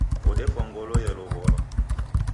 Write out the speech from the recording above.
Odefwa ngolo yelowolwa.